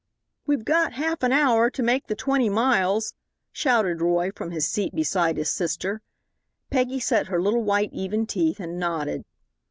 "We've got half an hour to make the twenty miles," shouted Roy, from his seat beside his sister. Peggy set her little white even teeth and nodded.